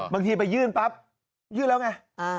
ไปยื่นปั๊บยื่นแล้วไง